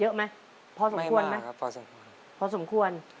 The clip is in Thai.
เยอะไหมพอสมควรไหมพอสมควรไม่มาครับ